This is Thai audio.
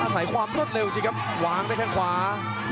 สายขวามรดเร็วจริงครับวางจากข้างขวา